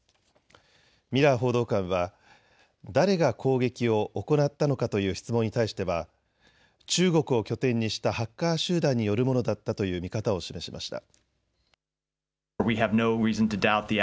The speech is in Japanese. ミラー報道官は誰が攻撃を行ったのかという質問に対しては中国を拠点にしたハッカー集団によるものだったという見方を示しました。